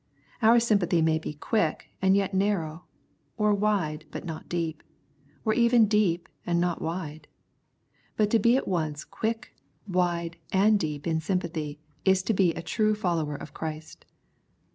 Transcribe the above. Our sympathy may be quick and yet narrow, or wide but not deep, or even deep and not wide ; but to be at once quick, wide, and deep in sympathy is to be a true follower of Christ.